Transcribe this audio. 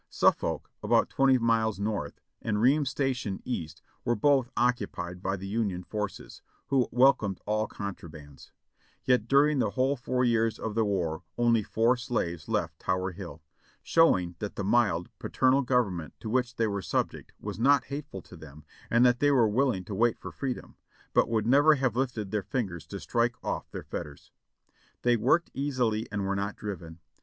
Suffolk, about twenty miles north, and Reams' Station east, were both occupied by the Union forces, who welcomed all contra bands ; yet during the whole four years of the war only four slaves left Tower Hill, shov\'ing that the mild, paternal govern ment to which they were subject was not hateful to them, and that they were wnlling to wait for freedom, but would never have lifted their fingers to strike off their fetters. They worked easily and were not driven.